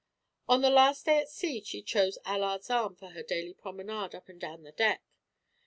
On the last day at sea she chose Allard's arm for her daily promenade up and down the deck.